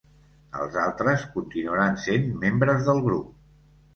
Els altres continuaran sent membres del grup.